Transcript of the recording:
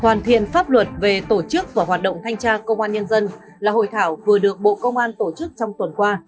hoàn thiện pháp luật về tổ chức và hoạt động thanh tra công an nhân dân là hội thảo vừa được bộ công an tổ chức trong tuần qua